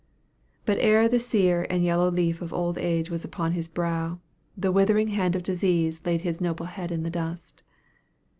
But ere the sere and yellow leaf of age was upon his brow, the withering hand of disease laid his noble head in the dust.